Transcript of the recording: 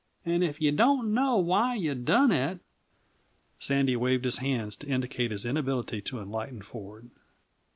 And if you don't know why you done it " Sandy waved his hands to indicate his inability to enlighten Ford.